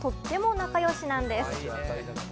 とっても仲良しなんです。